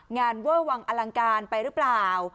เวอร์วังอลังการไปหรือเปล่า